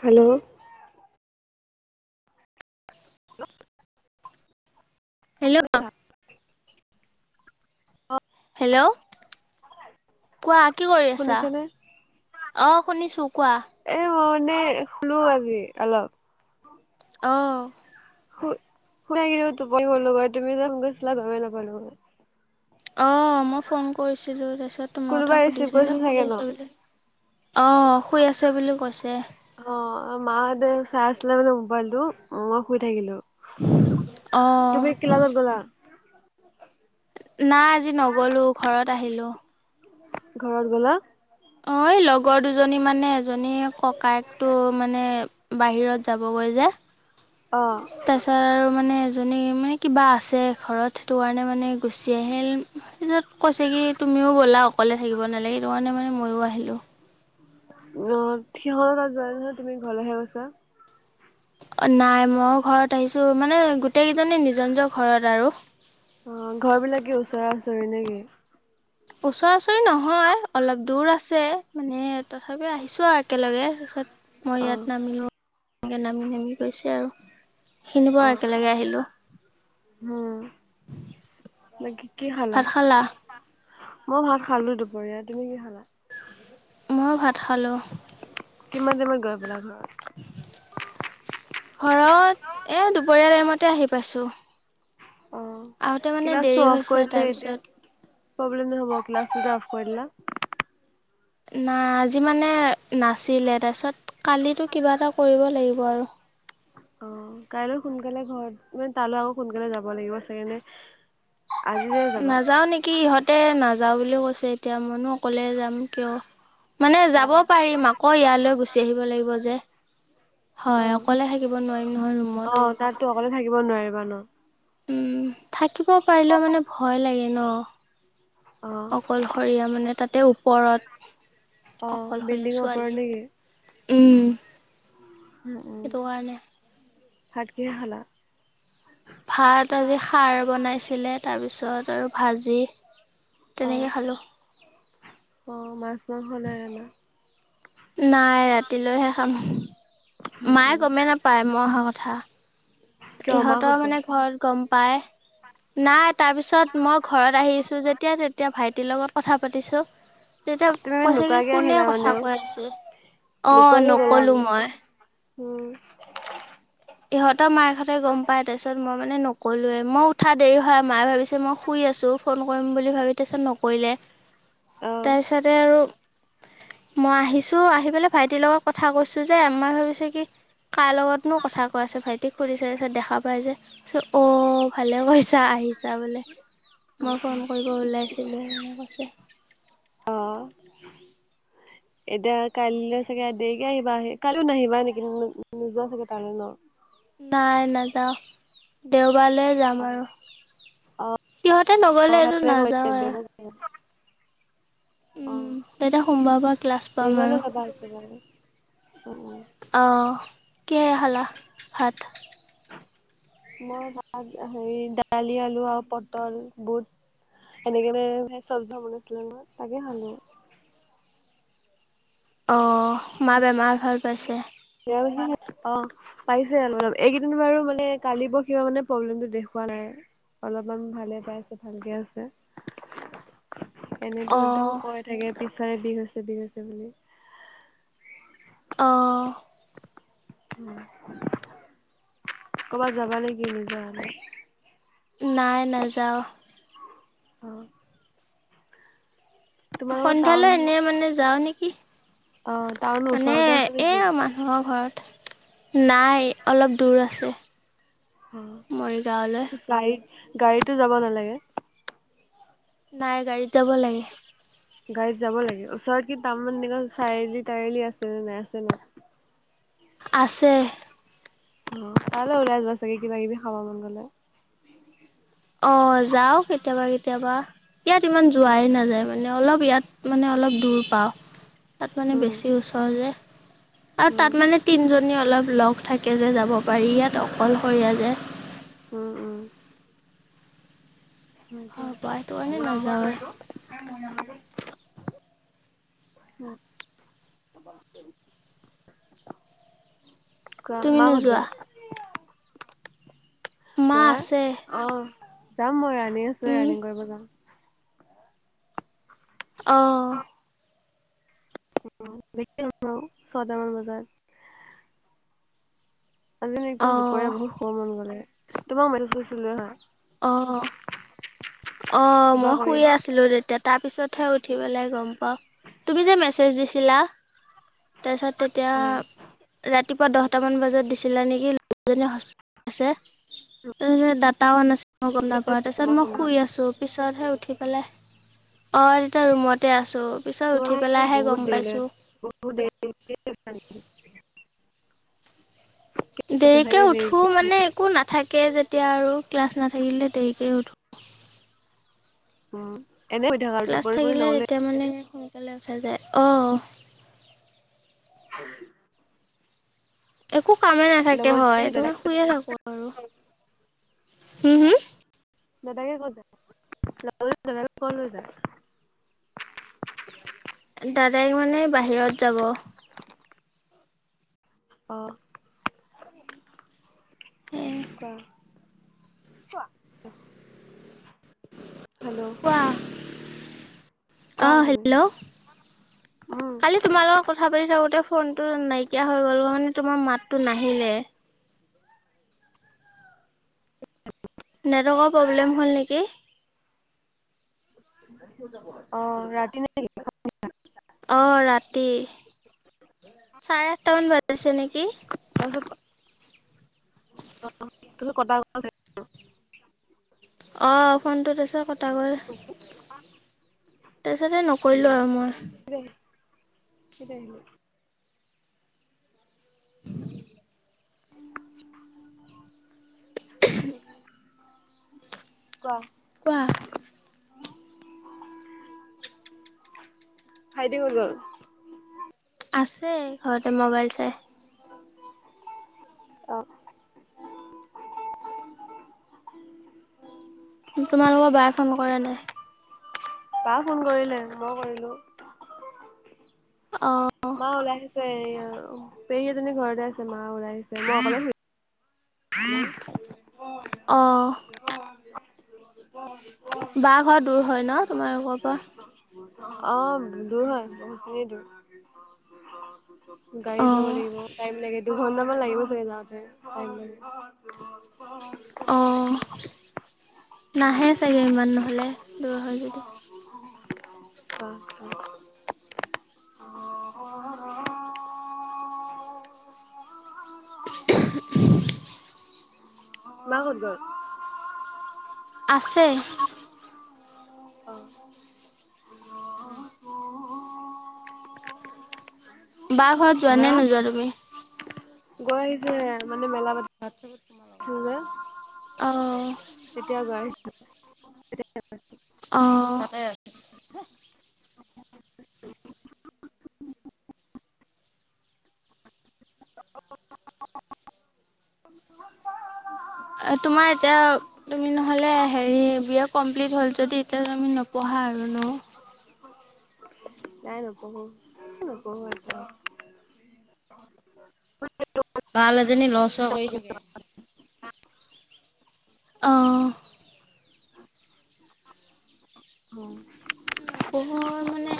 Hello hello থা [inaudible] hello কোৱা, কি কৰি আছা? শুনিছানে? অ', শুনিছো কোৱা৷ এ মই মানে শুলো, আজি অলপ৷ অ', কু নাই গিল তো পই বলো গ তুমি তছ ল গ পাল [unintelligible] অ, মই ফোন কৰিছিলোঁ, তাৰপিছত তোমাৰ কোনোবাই কথা ৰিচিভ সুধিছোঁ যে কৰিছিল চাগে শুই ন? আছে বোলে অ' শুই অ', মাহঁতে চাহ মানে মোবাইলটো মই শুই থাকিলো, অ' তুমি কিলালত গ'লা? নাই আজি নগলো, ঘৰত আহিলো৷ ঘৰত গ'লা? অ' লগৰ দুজনী মানে আ জনীয়ে ককায়েকটো মানে বাহিৰত যাবগৈ যে৷ অ' তাৰ পিছত আৰু মানে মানে কিবা আছে। ঘৰত সেইটো কাৰণে মানে গুচি আহিল কৈ-কি? তুমিও ব'লা অকলে থাকিব নালাগে। সেইটো কাৰণে মানে মইো আহিলোঁ। অ, সিহঁত তাত যোৱা নহয় তুমি ঘৰলেহে কৈছা। নাই, মই ঘৰত আহিছো মানে গোটেই কেইজনী নিজৰ-নিজৰ ঘৰত আৰু। অ, ঘৰ বিলাকে ওচৰা হুচৰি নে কি? ওচৰা ওচৰি নহয়, অলপ দূৰ আছে। মানে তথাপি আহিছো আৰু একেলগে। তাৰপিছত মই অ' ইয়াত নামি তেনেকে নামি-নামি গৈছে আৰু। সেইখিনিৰ অ' পৰা অ'। একেলগে আহিলো। বাকি কি খালা? মই ভাত খালো দুপৰীয়া। তুমি কি খালা? মই ভাত খালোঁ। কিমান দিনত গৈ পালা ঘৰত? ঘৰত, এ দুপৰীয়া টাইমতে আহি পাইছোঁ। অ, আহোঁতে মানে দেৰি ক্লাছটো অফ হৈছে কৰিলে এতিয়া তাৰপিছত প্ৰব্লেম নহব। কৰিলা। নাই আজি মানে নাছিলে তাৰপিছত কালি কিবা এটা কৰিব লাগিব আৰু। অ, কাইলৈ সোনকালে ঘৰত মানে তালৈ আকৌ সোনকালে যাব লাগিব চাগে। আজিয়ে যাবা? নাযাও নেকি, ইহঁতে নাযাও বুলিও কৈছে এতিয়া। মইনো অকলে যাম কিয়। মানে যাব অ', পাৰিম। আকৌ ইয়ালৈ গুচি আহিব লাগিব যে। হয়, অ', অকলে থাকিব নোৱাৰিম নহয় ৰুমত। অ', তাততো অকলে থাকিব নোৱাৰিবা ন। উম, থাকিব পাৰিলেও মানে ভয় লাগে ন। অ', অকলশৰীয়া মানে তাত। তাতে ওপৰত অ', অকলশৰীয়া বিল্ডিঙৰ ওপৰত নেকি? ছোৱালী। উম, উম, সেইটো কাৰণে। ভাত কিহে খালা? ভাত আজি খাৰ বনাইছিলে। তাৰপিছত আৰু ভাজি। তেনেকে খালোঁ। অঁ, মাছ মাংস নাই আমাৰ। নাই ৰাতিলৈহে খাম। উম, মায়ে উম, গমেই নাপায় মই অহা কথা। কিয় মা ইহঁতৰ ক'ত গ'ল? মানে ঘৰত গম পাই-নাই। তাৰ পিছত মই ঘৰত আহিছোঁ। যেতিয়া তেতিয়া ভাইটিৰ লগত কথা পাতিছোঁ। তেতিয়া তুমি কৈছে কি নোকোৱাকে কোনে আহিলা মানে কথা আৰু কৈ আছে। আহ, নোকোৱাকে নকলো গ'লাগে মই। উম, ইহঁতৰ মায়েহঁতে গম পাই তাৰ পিত মই মানে নকলোৱে। মই উঠা দেৰি হয়। মায়ে তাৰপিচত মই শুই আছো। ফোন কৰিম বুলি ভাবি, তাৰপিছত নকৰিলে। অ'। তাৰপিছতে আৰু। মই আহিছো। আহি পেলাই ভাইটিৰ লগত কথা কৈছো, যে আমাৰ ভাবিছে কি? কাৰ লগতনো কথা কোৱা আছে। ভাইটিক সুধিছে দেখা পাই যে অ। ভালে পইচা আহিছা বোলে। মই ফোন কৰিব ওলাইছিলোঁ, এনেকৈ কৈছে। অ। হয়। এতিয়া কাইলৈ চাগে দেৰিকে আহিবা। আহ, কাইও নাহিবা নেকি? নোযোৱা চাগে তালৈ ন। নাই নাযাওঁ, দেও কবালৈ অ যাম আৰু। অ সিহঁতে অ নগলে এইটো ভালে কৰিছা নাযাও। দেওবাৰে যাবা। অ তেতিয়া সোমবাৰৰ পৰা ক্লাছ পাম দেওবাৰলৈ আৰু। যাবা একেবাৰে অ অহ, কিহে খালা ভাত? মই ভাত, হেৰি দালি আলু আৰু পটল বুট। এনেকেনে চব মনছিলে মই তাকে খালোঁ। অ, মা ৰ বেমাৰ ভাল পাইছে? অ, পাইছে আৰু অলপ। এইকেইদিন বাৰু মানে কালি ব কিবা মানে প্ৰব্লেমটো দেখুৱালে। অলপমান ভালে পাইছে ভালকে আছে। এনেইতো অঁ একদম কৈ থাকে পিছফালে বিষ হৈছে বিষ হৈছে বুলি। অ', উম, ক'বাত যাবা নেকি নিজা হলে। নাই নাযাওঁ। অ', তোমালোকৰ টাউন সন্ধিয়ালৈ এনে মানে যাও নেকি? অ টাউনৰ মানে ওচৰতে আছে এ নেকি আৰু মানুহৰ ঘৰত। নাই অলপ দূৰ আছে। অ' মৰিগাঁৱলৈ কি গাড়ীত গাড়ীটো যাব নালাগে। নাই গাড়ীত যাব লাগে। গাড়ীত যাব লাগে ওচৰত কি তাৰমানে চাৰিআলি তাৰিআলি আছে নে নাই আছে নে। আছে। অ' তালৈ ওলাই যাবা চাগে কিবা কিবি খাবা মন গলে অ' যাও কেতিয়াবা কেতিয়াবা ইয়াত ইমান উম যোৱাই নাযায় মানে। মানে অলপ ইয়াত মানে অলপ দূৰ পাওঁ তাত মানে উম বেছি ওচৰ যে। আৰু তাত মানে তিনিজনী অলপ লগ থাকে যে যাব পাৰি ইয়াত অকলশৰীয়া যে। উম-উম, ঘৰৰ পৰা সেইটো কাৰণে নাযাওঁৱে। মোৰ [unintelligible] উম [unintelligible] বৰ তুমি মা কত নোযোৱা? গল? মা মই আছে অ' যাম মই ৰানিং আছো উম, ৰানিং কৰিব যাাম। অ' উম, দেখি ছটা মান বজাত আজ যে একদম অ', দুপৰীয়া বহুত শুব মন গ'লে তোমাক মেছেজ দিছিলোঁ নহয়। অ-অ কিবা মই কৰি শুই আছা আছিলো তেতিয়া তাৰপিছতহে উঠি পেলাই গম পাওঁ তুমি যে মেচজ দিছিলা। তাৰপিছত তেতিয়া অ ৰা ৰাতিপুৱা দহটামান বজাত দিছিলা নেকি ডাটা অন নাছিল। মই গম নাপাওঁ তেতিয়া তাৰপিছত মই শুই সোনকালে আছো পিছতহে উঠি পেলাই। অ' তেতিয় ৰুমতে আছো। তোম মে বহুত দেৰি বহুত দে [unintelligible] দেৰিকে উঠো মানে একো নাথাকে যেতিয়া আৰু ক্লাছ নাথাকিলে দেৰিকে উঠো [unintelligible] উম এনে হৈ থাকা আৰু ক্লাছ টোপনি চোপনি থাকিলে নগলে তেতিয়া মানে সোনকালে উঠা যায় অঁ হয় একো কামে নাথাকে লগৰজনী হয় তাৰ মানে দাদাক শুইয়ে থাকো আৰু হম হম দাদাকে কত যায় ল কল হৈ যায় দাদাইক মানে বাহিৰত যাব আহ ক কোৱা হেল্ল' অ কোৱা তুমি হেল্ল' উম কালি তোমাৰ লগত কথা পাতি থাকোঁতে ফোনটো নাইকিয়া হৈ গ'ল মানে তোমাৰ মাতটো নাহিলে নেটৱৰ্কৰ প্ৰব্লেম হ'ল নেকি অ ৰাতি ন অ ৰাতি চাৰে আঠটামান বাজিছে নেকি [inaudible] [inaudible] [inaudible] অ ফোনটো তাছত কটা গ'ল তাছতে নকৰিলো আৰু মই এ, আহিল। [inaudible] কোৱা কোৱা [inaudible] ভাইটি গলো আছে ঘৰতে ম'বাইল চাই অ, তোমালোকৰ বাই ফোন কৰা নাই? বা ফোন কৰিলে ব কৰিলো। অ, মা ওলাই গৈছে পেহী এজনী ঘৰতে আছে, মা ওলাই আহিছে। [inaudible] অঁ [inaudible] অ, বাহ ঘৰ দূৰ হয় ন তোমালোকৰ পৰা ফু অ, দূৰ হয় বহুতখিনি দূৰ গাড়ীত যাব লাগিব অঁ টাইম লাগে। দুঘন্টামান লাগিব চাগে যাওঁতে অঁ [unintelligible] [inaudible] নাহে চাগে ইমান নহ'লে দূৰ হয় যদি অ, [inaudible] মা ক'ত গ'ল? আছে। অ [inaudible] বাহ ঘৰত যোৱা নে নোযোৱা তুমি? গোৱা যে মানে মেলা ব অ, তেতিয়া যায়। অ, তোমাৰ এতিয়া তুমি নহলে হেৰি বি এ কমপ্লিট হল যদি এতিয়া তুমি নপঢ়া। পহা আৰু ন। নাই নপহো। বাল এজনী লৰ ছৰ কৰি থাকে। আহ, নপৰো মানে